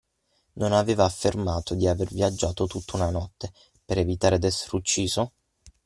Non aveva affermato di aver viaggiato tutta una notte, per evitare d'essere ucciso?